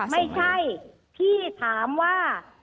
ไม่ใช่พี่ถามว่า